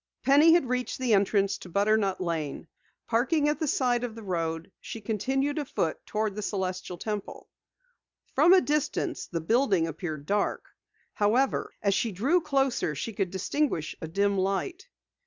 Penny had reached the entrance to Butternut Lane. Parking at the side of the road, she continued afoot toward the Celestial Temple. From a distance the building appeared dark. However, as she drew closer she could distinguish a dim light.